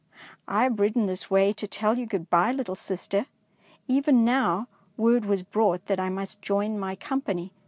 " I have ridden this way to tell you good bye, little sister. Even now word was brought that I must join my com pany.